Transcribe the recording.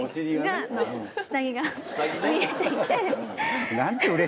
下着が見えていて。